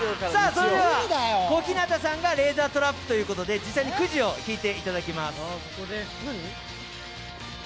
それでは、小日向さんが「レーザートラップ」ということで実際にくじを引いていただきます。